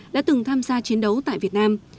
đã từng tham gia chiến đấu tại việt nam